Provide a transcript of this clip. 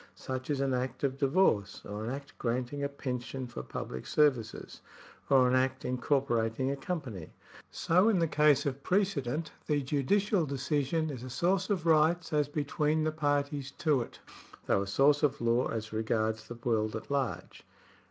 Such is an act of divorce, or an act granting a pension for public services, or an act incor porating a company. So in the case of precedent, the judicial decision is a source of rights as between the parties to it, though a source of law as regards the world at large.